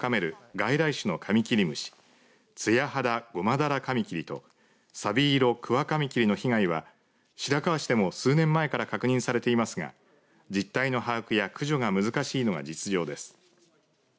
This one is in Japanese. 外来種のカミキリムシツヤハダゴマダラカミキリとサビイロクワカミキリの被害は白河市ても数年前から確認されていますが実態の把握や駆除が難しいのが実情です。